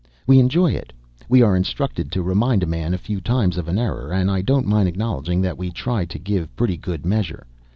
We enjoy it. We are instructed to remind a man a few times of an error; and I don't mind acknowledging that we try to give pretty good measure.